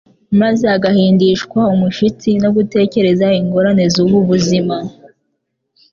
maze agahindishwa umushyitsi no gutekereza ingorane z'ubu buzima.